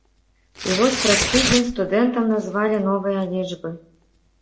І вось праз тыдзень студэнтам назвалі новыя лічбы.